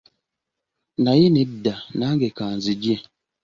Naye nedda, nange kanzigye.